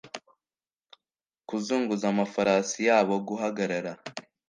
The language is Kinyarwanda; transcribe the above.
Kuzunguza amafarasi yaboguhagarara